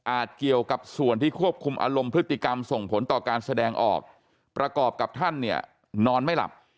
เกี่ยวกับส่วนที่ควบคุมอารมณ์พฤติกรรมส่งผลต่อการแสดงออกประกอบกับท่านเนี่ยนอนไม่หลับ